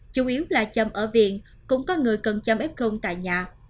chủ yếu là chăm ở viện cũng có người cần chăm f tại nhà